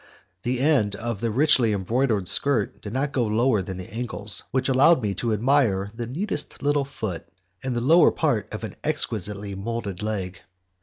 The end of the richly embroidered skirt did not go lower than the ankles, which allowed me to admire the neatest little foot and the lower part of an exquisitely moulded leg.